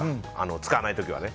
使わない時はね。